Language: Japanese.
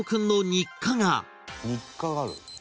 「日課がある？」